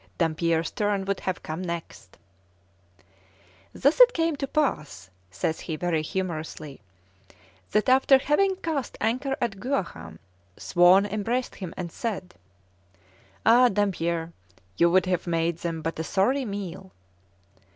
Dampier's turn would have come next. "Thus it came to pass," says he very humourously, "that after having cast anchor at Guaham, Swan embraced him and said: 'Ah Dampier, you would have made them but a sorry meal.'